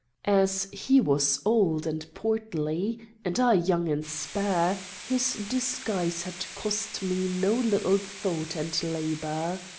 As he was old and portly, and I young and spare, this disguise had cost me no little thought and labor.